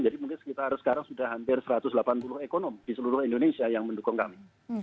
jadi mungkin sekitar sekarang sudah hampir satu ratus delapan puluh ekonom di seluruh indonesia yang mendukung kami